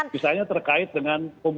misalnya terkait dengan